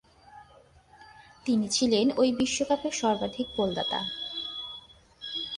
তিনি ছিলেন ঐ বিশ্বকাপের সর্বাধিক গোলদাতা।